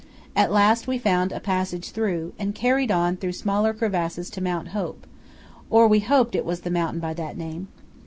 At last we found a passage through, and carried on through smaller crevasses to Mount Hope, or we hoped it was the mountain by that name.